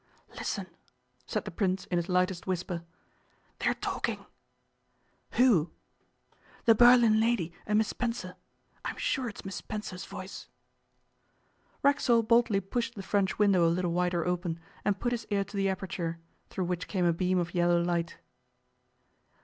'Listen,' said the Prince in his lightest whisper, 'they are talking.' 'Who?' 'The Berlin lady and Miss Spencer. I'm sure it's Miss Spencer's voice.' Racksole boldly pushed the french window a little wider open, and put his ear to the aperture, through which came a beam of yellow light.